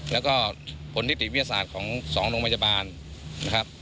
แล้วก็ผลนิติวิทยาศาสตร์ของ๒โรงพยาบาลนะครับ